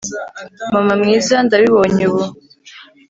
mama mwiza, ndabibonye ubu